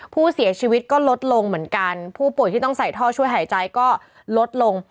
ผู้เสียชีวิตก็ลดลงเหมือนกันผู้ป่วยที่ต้องใส่ท่อช่วยหายใจก็ลดลง